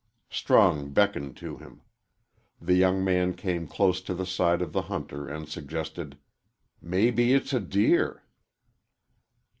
Strong beckoned to him. The young man came close to the side of the hunter and suggested, "Maybe it's a deer."